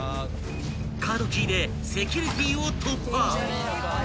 ［カードキーでセキュリティーを突破］